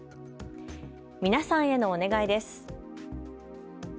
皆さんへのお願いです。